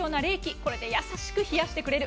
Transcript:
これで優しく冷やしてくれる。